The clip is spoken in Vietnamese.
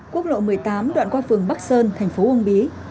quốc lộ một mươi tám đoạn qua phường bắc sơn thành phố uông bí